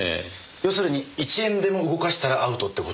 要するに１円でも動かしたらアウトって事。